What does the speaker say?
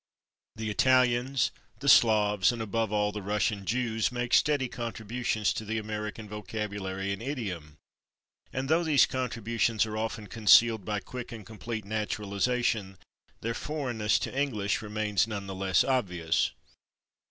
The Italians, the Slavs, and, above all, the Russian Jews, make steady contributions to the American vocabulary and idiom, and though these contributions are often concealed by quick and complete naturalization their foreignness to English remains none the less obvious.